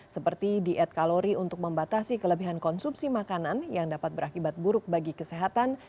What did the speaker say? seperti diet kalori untuk membatasi kelebihan konsumsi makanan yang dapat berakibat buruk bagi kesehatan